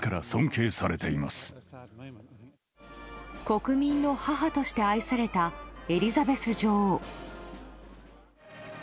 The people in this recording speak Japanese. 国民の母として愛されたエリザベス女王。